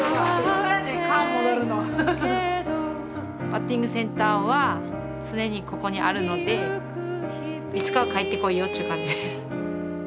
バッティングセンターは常にここにあるのでいつかは帰ってこいよっちゅう感じ。